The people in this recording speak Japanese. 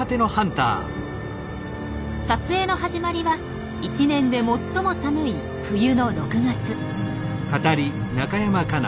撮影の始まりは１年で最も寒い冬の６月。